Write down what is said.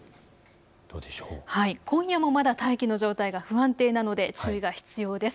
今夜もまだ大気の状態が不安定なので注意が必要です。